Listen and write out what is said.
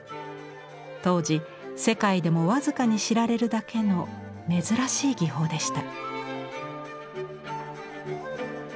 当時世界でも僅かに知られるだけの珍しい技法でした。